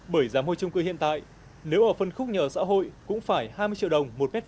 bởi giám hội chung cư hiện tại nếu ở phân khúc nhà ở xã hội cũng phải hai mươi triệu đồng một m hai